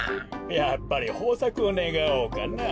やっぱりほうさくをねがおうかな。